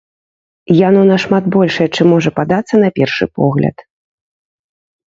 Яно нашмат большае, чым можа падацца на першы погляд.